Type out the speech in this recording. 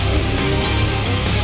tiga dua satu